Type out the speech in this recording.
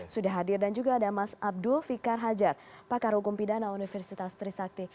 sudah hadir dan juga ada mas abdul fikar hajar pakar hukum pidana universitas trisakti